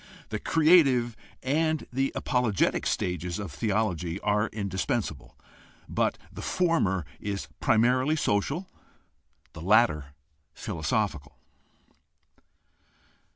The creative and the apologetic stages of theology are indispensable, but the former is primarily social, the latter philosophical.